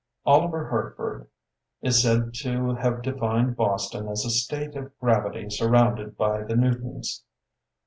Oliver Herford is said to have defined Boston as a state of grav ity surrounded by the Newtons.